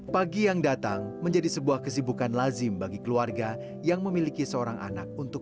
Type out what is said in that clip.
pagi yang datang menjadi sebuah kesibukan lazim bagi keluarga yang memiliki seorang anak untuk